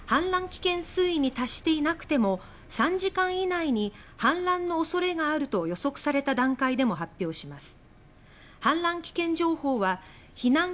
危険水位に達していなくても３時間以内に氾濫の恐れがあると予測された段階でも発表します。